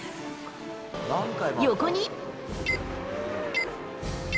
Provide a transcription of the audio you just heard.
横に。